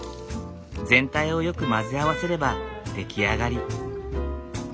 全体をよく混ぜ合わせれば出来上がり。